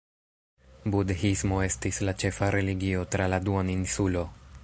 Budhismo estis la ĉefa religio tra la duoninsulo.